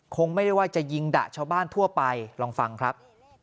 คงไม่ได้ว่าจะยิงดะชาวบ้านทั่วไปลองฟังครับ